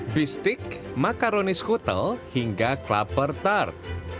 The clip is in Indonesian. bistik makaroni skutel hingga klaper tart